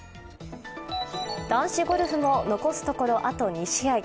男子ゴルフも残すところあと２試合。